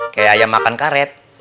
kayak ayam makan karet